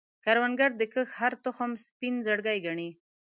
کروندګر د کښت هره تخم سپینه زړګی ګڼي